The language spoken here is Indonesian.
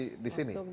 masuk di sini